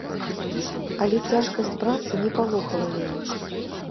Але цяжкасць працы не палохала яе.